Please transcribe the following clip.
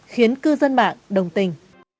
khiến cư dân mạng đồng tình